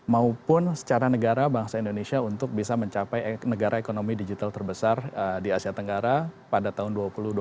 maupun secara negara bangsa indonesia untuk bisa mencapai negara ekonomi digital terbesar di asia tenggara pada tahun dua ribu dua puluh dua